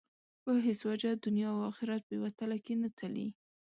په هېڅ وجه دنیا او آخرت په یوه تله کې نه تلي.